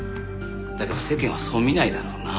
だけど世間はそう見ないだろうな。